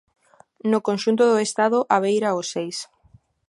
No conxunto do Estado abeira os seis.